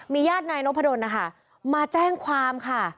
ญาตินายนพดลนะคะมาแจ้งความค่ะ